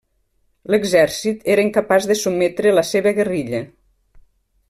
L'exèrcit era incapaç de sotmetre la seva guerrilla.